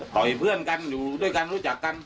เพื่อนกันอยู่ด้วยกันรู้จักกัน